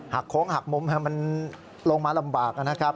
โค้งหักมุมมันลงมาลำบากนะครับ